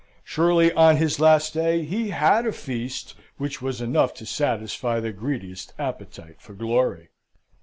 Surely on his last day he had a feast which was enough to satisfy the greediest appetite for glory.